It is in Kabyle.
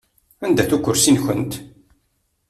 Anda-t ukursi-nkent?